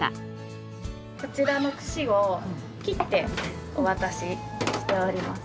こちらの串を切ってお渡ししております。